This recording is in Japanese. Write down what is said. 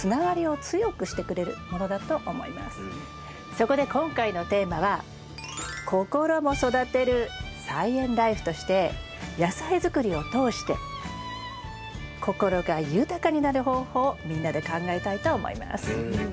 そこで今回のテーマは「ココロも育てる！菜園ライフ」として野菜づくりを通して心が豊かになる方法をみんなで考えたいと思います。